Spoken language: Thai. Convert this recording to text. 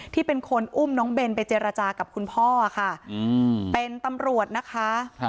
ที่เป็นคนอุ้มน้องเบนไปเจรจากับคุณพ่อค่ะเป็นตำรวจนะคะ